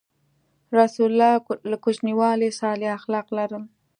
رسول الله ﷺ له کوچنیوالي صالح اخلاق لرل.